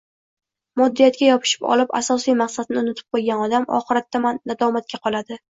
Moddiyatga yopishib olib asosiy maqsadni unutib qo‘ygan odam oxiratda nadomatga qoladi.